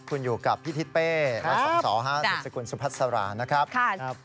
คุณอยู่กับพี่ทิศเป้และสมสอบห้าสมศิกรสุพัฒนาฬิกานะครับ